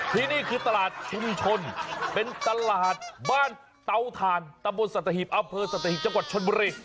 ที่นี่คือตลาดชุมชนเป็นตลาดบ้านเตาถ่านตำบลสัตหีบอำเภอสัตหีบจังหวัดชนบุรี